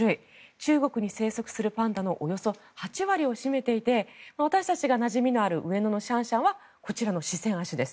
中国に生息するパンダのおよそ８割を占めていて私たちがなじみのある上野のシャンシャンはこちらの四川亜種です。